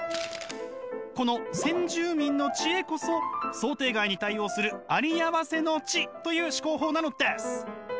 この先住民の知恵こそ想定外に対応するありあわせの知という思考法なのです！